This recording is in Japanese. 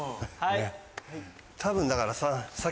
多分だからさ